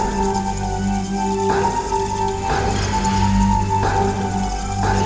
rencana ji itu apa